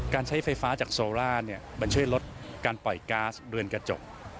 การใช้ไฟฟ้าจากโซล่ามันช่วยลดการปล่อยก๊าซเรือนกระจก